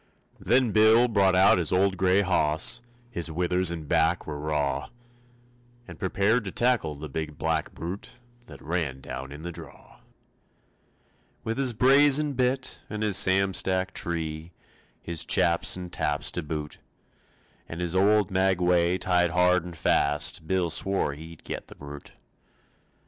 Then Bill brought out his old gray hoss, His withers and back were raw, And prepared to tackle the big black brute That ran down in the draw. With his brazen bit and his Sam Stack tree His chaps and taps to boot, And his old maguey tied hard and fast, Bill swore he'd get the brute.